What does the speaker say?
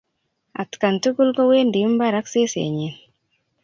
Atkan tukul kwendi imbar ak sesennyi.